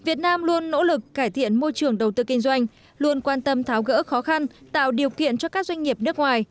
việt nam luôn nỗ lực cải thiện môi trường đầu tư kinh doanh luôn quan tâm tháo gỡ khó khăn tạo điều kiện cho các doanh nghiệp nước ngoài